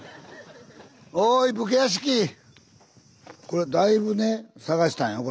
これだいぶね探したんよ